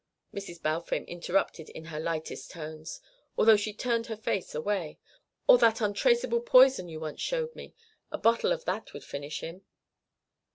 Mrs. Balfame interrupted in her lightest tones, although she turned her face away. "Or that untraceable poison you once showed me. A bottle of that would finish him!"